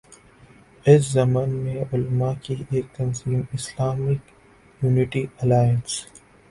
اس ضمن میں علما کی ایک تنظیم ”اسلامک یونٹی الائنس“